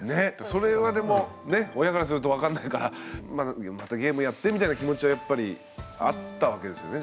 それはでもね親からすると分かんないからまたゲームやってみたいな気持ちはやっぱりあったわけですよね